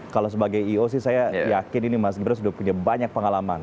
kalau sebagai io sih saya yakin ini mas gibran sudah punya banyak pengalaman